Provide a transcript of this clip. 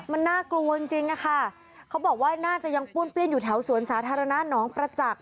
มันน่ากลัวจริงจริงอะค่ะเขาบอกว่าน่าจะยังป้วนเปี้ยนอยู่แถวสวนสาธารณะหนองประจักษ